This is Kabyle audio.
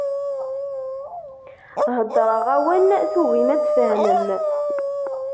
Heddreɣ-awen, tugim ad tfehmem.